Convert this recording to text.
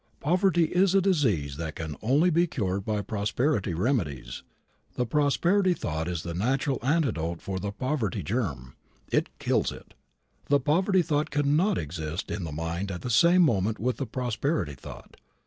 Poverty is a disease that can only be cured by prosperity remedies. The prosperity thought is the natural antidote for the poverty germ. It kills it. The poverty thought cannot exist in the mind at the same moment with the prosperity thought.